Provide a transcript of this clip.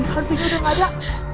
hantunya udah gak ada